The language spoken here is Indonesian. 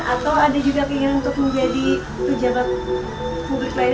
atau ada juga pengingin untuk menjadi